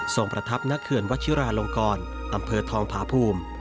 ส่งประทับนักเคลื่อนวชิราลงกรตำเภอทองพาภูมิ